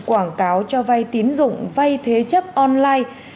quảng cáo cho vay tín dụng vay thế chấp online